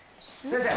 先生。